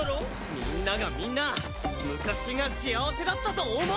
みんながみんな昔が幸せだったと思うなよ！